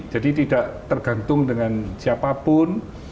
jadi tidak tergantung dengan siapapun